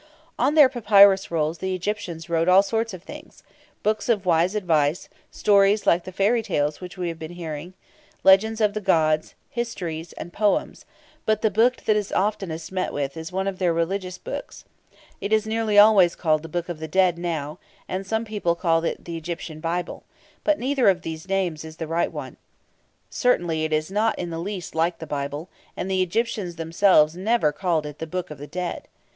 On their papyrus rolls the Egyptians wrote all sorts of things books of wise advice, stories like the fairy tales which we have been hearing, legends of the gods, histories, and poems; but the book that is oftenest met with is one of their religious books. It is nearly always called the "Book of the Dead" now, and some people call it the Egyptian Bible, but neither of these names is the right one. Certainly, it is not in the least like the Bible, and the Egyptians themselves never called it the Book of the Dead.